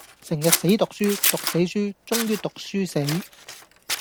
成日死讀書,讀死書,終於讀書死